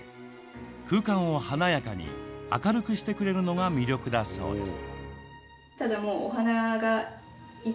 空間を華やかに明るくしてくれるのが魅力だそうです。